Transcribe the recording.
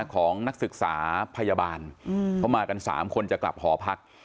ของนักศึกษาพยาบาลเขามากัน๓คนจะกลับหอพัก